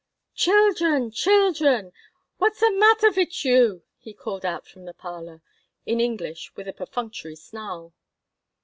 "Children! Children! What's a madder vitch you?" he called out from the parlor, in English, with a perfunctory snarl.